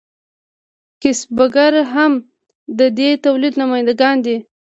کسبګر هم د دې تولید نماینده ګان دي.